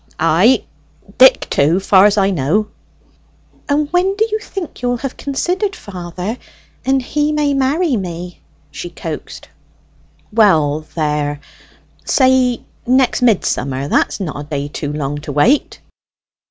"Ay, Dick too, 'far's I know." "And when do you think you'll have considered, father, and he may marry me?" she coaxed. "Well, there, say next Midsummer; that's not a day too long to wait."